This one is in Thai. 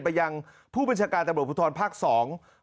เพื่อขอให้สอบสวนลงโทษเจ้าหน้าที่ชุดจับกลุ่มที่เรียกรับเงิน